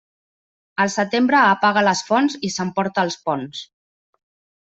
El setembre apaga les fonts i s'emporta els ponts.